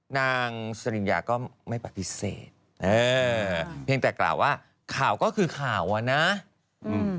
นางสริญญาก็ไม่ปฏิเสธเออเพียงแต่กล่าวว่าข่าวก็คือข่าวอ่ะนะอืม